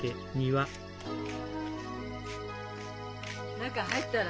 中入ったら？